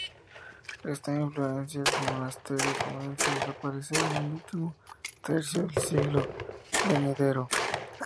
Esta influencia del monasterio, comienza a desaparecer en el último tercio del siglo venidero.